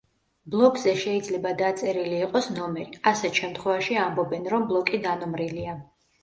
ბლოკზე შეიძლება დაწერილი იყოს ნომერი, ასეთ შემთხვევაში ამბობენ, რომ ბლოკი დანომრილია.